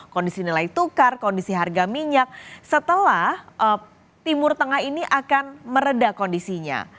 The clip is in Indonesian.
kondisi nilai tukar kondisi harga minyak setelah timur tengah ini akan meredah kondisinya